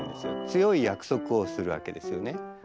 強い約束をするわけですよね。